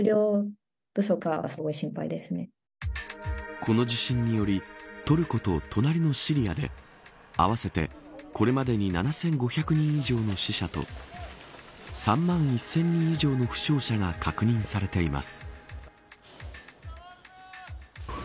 この地震によりトルコと隣のシリアで合わせて、これまでに７５００人以上の死者と３万１０００人以上の負傷者が確認されています。